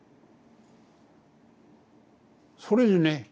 それでね